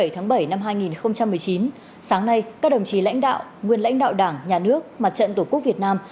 một mươi tháng bảy năm hai nghìn một mươi chín sáng nay các đồng chí lãnh đạo nguyên lãnh đạo đảng nhà nước mặt trận tổ quốc việt nam